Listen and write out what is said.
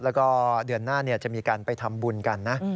แล้วก็เดือนหน้าจะมีการไปทำบุญกันนะ